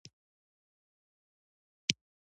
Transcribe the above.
خلجیان غوز ترکان نه دي.